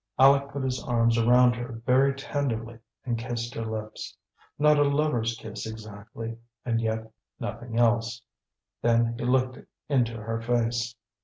Aleck put his arms around her very tenderly, and kissed her lips; not a lover's kiss exactly, and yet nothing else. Then he looked into her face.